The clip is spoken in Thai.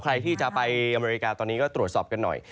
ใครที่จะไปอเมริกาตอนนี้ก็ตรวจสอบกันหน่อย